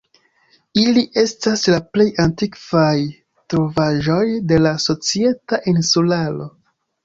Ili estas la plej antikvaj trovaĵoj de la Societa Insularo.